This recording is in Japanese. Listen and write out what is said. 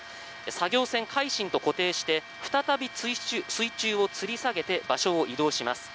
作業船「海進」と固定して再び水中をつり下げて場所を移動します。